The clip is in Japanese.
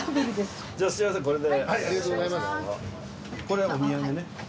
これお土産ね。